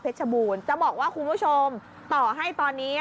ชบูรณ์จะบอกว่าคุณผู้ชมต่อให้ตอนนี้